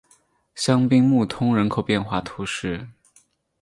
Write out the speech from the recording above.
香槟穆通人口变化图示